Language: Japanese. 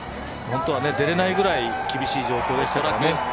本当は出られないぐらい厳しい状況でしたからね。